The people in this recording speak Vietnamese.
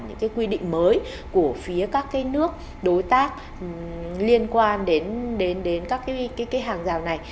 những quy định mới của phía các nước đối tác liên quan đến các hàng rào này